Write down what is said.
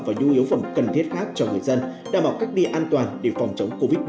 và nhu yếu phẩm cần thiết khác cho người dân đảm bảo cách đi an toàn để phòng chống covid một mươi